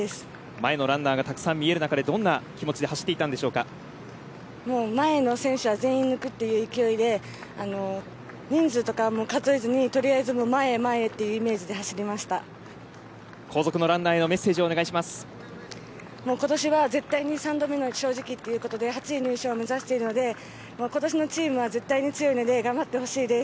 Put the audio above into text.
前のランナーがたくさん見える中でどんな気持ちで前の選手は全員抜くという勢いで人数とか数えずに取りあえず前へ前へ後続のランナーへの今年は絶対に３度目の正直ということで８位入賞を目指しているので今年のチームは絶対に強いので頑張ってほしいです。